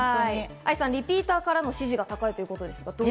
愛さん、リピーターからの支持が高いということです。